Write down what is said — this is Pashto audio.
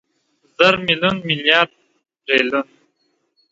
زر، ميليون، ميليارد، تریلیون